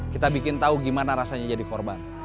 kita bikin tahu gimana rasanya jadi korban